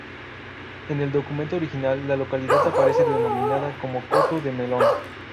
En el documento original, la localidad aparece denominada como Coto de Melón.